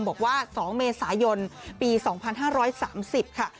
บอกว่า๒เมษายนปี๒๕๓๐ค่ะ